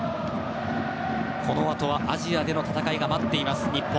このあとはアジアでの戦いが待っています、日本。